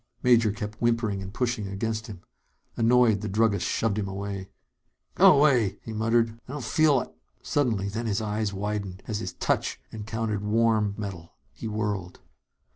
Major kept whimpering and pushing against him. Annoyed, the druggist shoved him away. "Go 'way," he muttered. "I don't feel like " Suddenly then his eyes widened, as his touch encountered warm metal. He whirled.